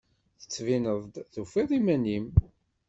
Tettbineḍ-d tufiḍ iman-im.